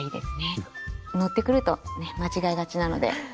のってくるとね間違いがちなので。